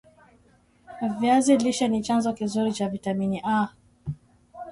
Viazi lishe ni chanzo kizuri cha vitamin A